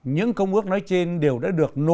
những công ước nói trên đều đã được nổi bật